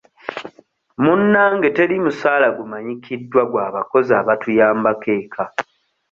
Munnange teri musaala gumanyikiddwa gwa bakozi abatuyambako eka.